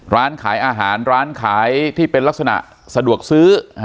ร้านขายอาหารร้านขายที่เป็นลักษณะสะดวกซื้อ